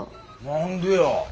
何でや。